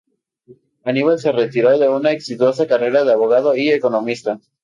Aníbal se retiró de una exitosa carrera de abogado y economista.